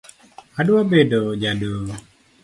Adwa bedo ja doho